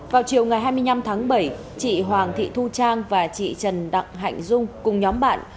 vào chiều ngày hai mươi năm tháng bảy chị hoàng thị thu trang và chị trần đặng hạnh dung cùng nhóm bạn